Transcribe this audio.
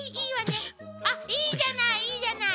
あっいいじゃないいいじゃない。